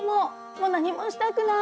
もう何もしたくない！